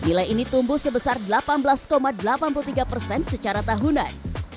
nilai ini tumbuh sebesar delapan belas delapan puluh tiga persen secara tahunan